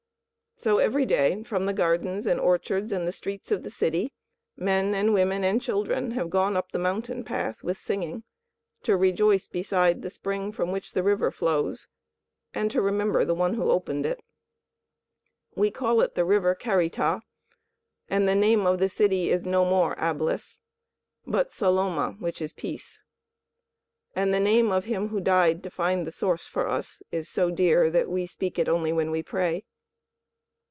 So every day, from the gardens and orchards and the streets of the city, men and women and children have gone up the mountain path with singing, to rejoice beside the spring from which the river flows and to remember the one who opened it. We call it the River Carita. And the name of the city is no more Ablis, but Saloma, which is Peace. And the name of him who died to find the Source for us is so dear that we speak it only when we pray.